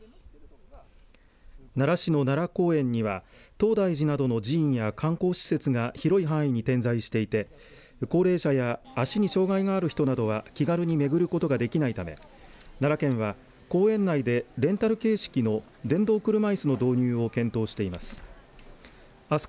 奈良市の奈良公園には東大寺などの寺院や観光施設が広い範囲に点在していて高齢者や足に障害がある人などは気軽に巡ることができないため奈良県は公園内でレンタル形式の電動車いすの導入を検討しています。